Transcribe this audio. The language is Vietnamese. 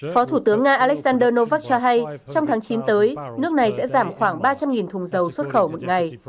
phó thủ tướng nga alexander novak cho hay trong tháng chín tới nước này sẽ giảm khoảng ba trăm linh thùng dầu xuất khẩu một ngày